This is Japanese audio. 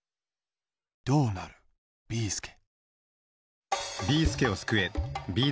どうなるビーすけ